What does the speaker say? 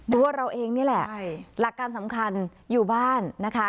ตัวเราเองนี่แหละหลักการสำคัญอยู่บ้านนะคะ